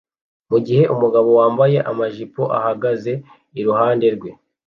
mu gihe umugabo wambaye amajipo ahagaze iruhande rwe